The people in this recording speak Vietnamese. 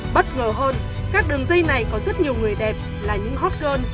bất ngờ hơn các đường dây này có rất nhiều người đẹp là những hot girl